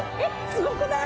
すごくない？